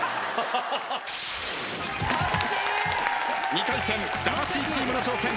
２回戦魂チームの挑戦。